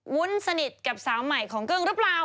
วุ้นสนิทกับสาวใหม่ของกึ้งหรือเปล่า